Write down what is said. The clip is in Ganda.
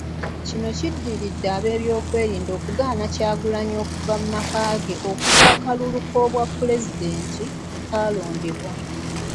Kino kiddiridde ab'ebyokwerinda okugaana Kyagulanyi okuva mu maka ge okuva akalulu k'obwapulezidenti lwe kalondebwa.